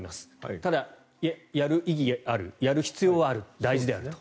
ただ、やる意義があるやる必要はある、大事であると。